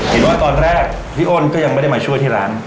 เห็นว่าตอนแรกพี่อ้นก็ยังไม่ได้มาช่วยที่ร้าน